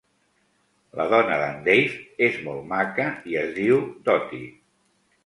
La dona d'en Dave és molt maca i es diu Dottie.